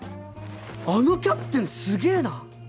あのキャプテンすげえな！